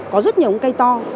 có rất nhiều cây to